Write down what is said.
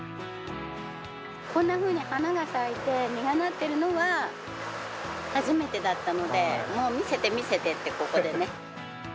こんなふうに花が咲いて、実がなってるのは初めてだったので、もう見せて、見せてって、ここでね。